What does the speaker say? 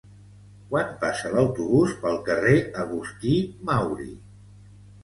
Quan passa l'autobús pel carrer Agustí Mauri?